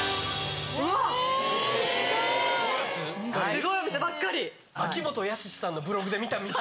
すごいお店ばっかり！